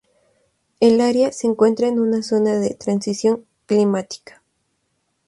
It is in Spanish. El área se encuentra en una zona de transición climática.